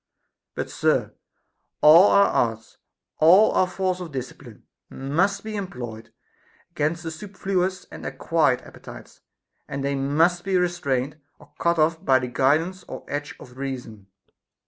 But, sir, all our arts, all our force of discipline, must be employed against the superfluous and acquired appetites ; and they must be restrained or cut off by the guidance or edge of reason.